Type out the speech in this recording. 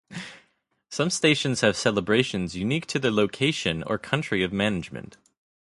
Some stations have celebrations unique to their location or country of management.